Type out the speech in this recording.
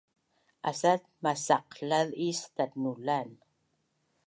asat masaqlaz is tatnulan